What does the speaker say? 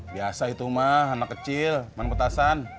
biasa itu mah anak kecil main petasan